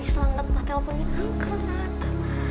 bisa langgan mah teleponnya angkat lah